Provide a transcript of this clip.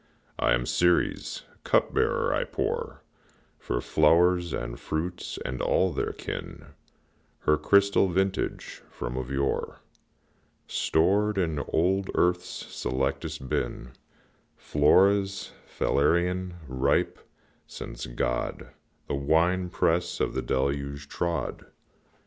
I'm Ceres' cup bearer; I pour, For flowers and fruits and all their kin, Her crystal vintage, from of yore Stored in old Earth's selectest bin, Flora's Falernian ripe, since God The wine press of the deluge trod.